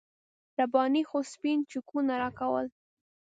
رباني خو سپین چکونه راکول.